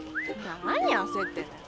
何焦ってんのよ。